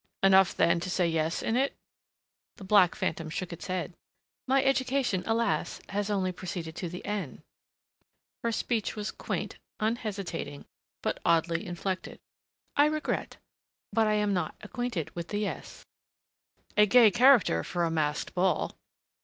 "Enough, then, to say yes in it?" The black phantom shook its head. "My education, alas! has only proceeded to the N." Her speech was quaint, unhesitating, but oddly inflected. "I regret but I am not acquainted with the yes." A gay character for a masked ball!